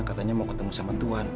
katanya mau ketemu sama tuhan